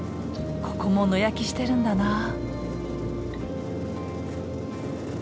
ここも野焼きしてるんだな。